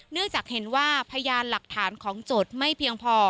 เนื่องจากเห็นว่าพยานหลักฐานของโจทย์ไม่เพียงพอ